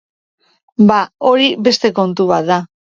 Ba, hori beste kontu bat da.